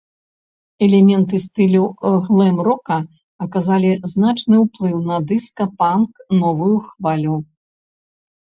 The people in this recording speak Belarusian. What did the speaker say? Элементы стылю глэм-рока аказалі значны ўплыў на дыска, панк, новую хвалю.